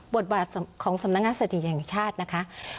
บทบาทของสำนักงานสถิติแห่งชาตินะคะ